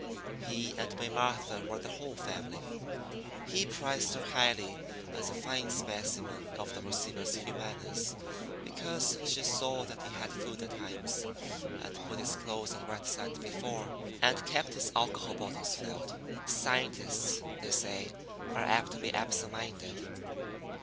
He and May Martha were the whole family. He prized her highly as a fine specimen of the racibus humanus because she saw that he had food at times, and put his clothes on right side before, and kept his alcohol bottles filled. Scientists, they say, are apt to be absent minded.